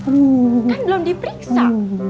kan belum diperiksa